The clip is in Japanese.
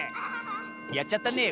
やっちゃったねえ